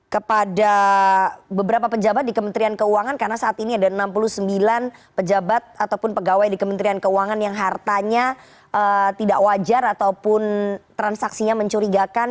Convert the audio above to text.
kepada beberapa pejabat di kementerian keuangan karena saat ini ada enam puluh sembilan pejabat ataupun pegawai di kementerian keuangan yang hartanya tidak wajar ataupun transaksinya mencurigakan